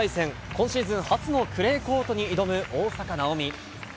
今シーズン初のクレーコートに挑む大坂なおみ。